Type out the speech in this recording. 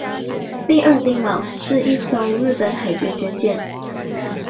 第二丁卯是一艘日本海军军舰。